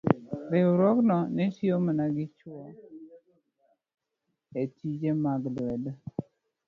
riwruogno ne tiyo mana gi chwo e tije mag lwedo.